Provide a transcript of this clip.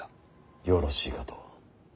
よろしいかと。